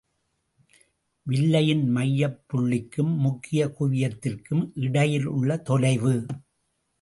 வில்லையின் மையப் புள்ளிக்கும் முக்கிய குவியத்திற்கும் இடையிலுள்ள தொலைவு.